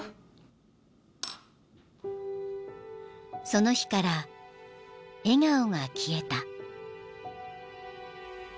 ［その日から笑顔が消えた］